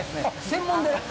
専門で？